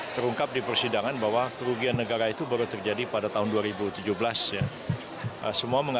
terungkap di persidangan bahwa kerugian negara itu baru terjadi pada tahun dua ribu tujuh belas ya semua